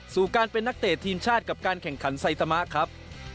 สู่การเป็นนักเตะทีมชาติกับการแข่งขันไซตามะครับ